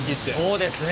そうですね。